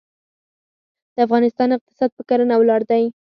د افغانستان اقتصاد په کرنه ولاړ دی.